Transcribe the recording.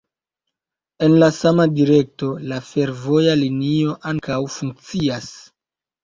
En la sama direkto, la fervoja linio ankaŭ funkcias.